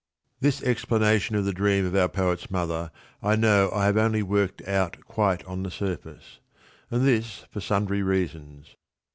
This explanation of the dream of our poet's mother I know I have only worked out quite on the surface ; and this for sundry reasons.